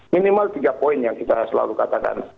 minimal tiga poin yang kita selalu katakan